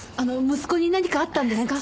息子に何かあったんですか？